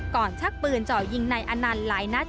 ชักปืนเจาะยิงนายอนันต์หลายนัด